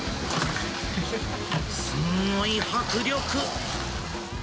すんごい迫力。